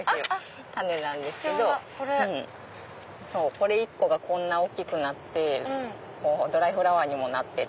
これ１個がこんな大きくなってドライフラワーにもなって。